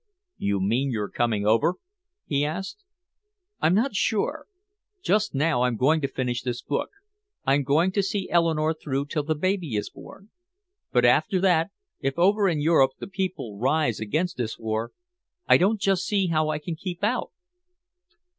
"You mean you're coming over?" he asked. "I'm not sure. Just now I'm going to finish this book. I'm going to see Eleanore through till the baby is born. But after that if over in Europe the people rise against this war I don't just see how I can keep out."